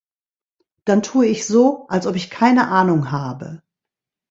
Dann tue ich so, als ob ich keine Ahnung habe.